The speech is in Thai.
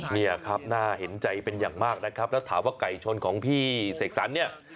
เนี่ยครับน่าเห็นใจเป็นอย่างมากนะครับแล้วถามว่าไก่ชนของพี่เสกสรรเนี่ย